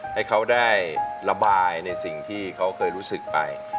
ให้เขาได้ระบายในสิ่งที่เขาเคยรู้สึกไป